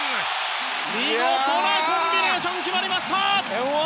見事なコンビネーションが決まりました！